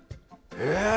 え！